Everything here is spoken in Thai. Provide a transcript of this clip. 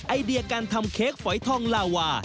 ไอเดียการทำเค้กฝอยทองลาวา